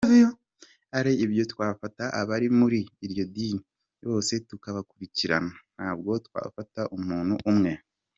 Ari ibyo twafata abari muri iryo dini bose tukabakurikirana, ntabwo twafata umuntu umwe.